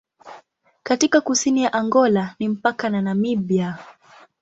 Katika kusini ya Angola ni mpaka na Namibia.